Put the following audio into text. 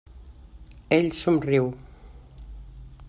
Ell somriu.